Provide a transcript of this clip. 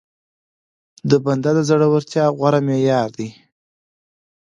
د بنده د زورورتيا غوره معيار دی.